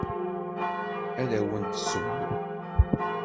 Ad awent-d-tesseww.